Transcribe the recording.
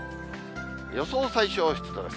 予想最小湿度です。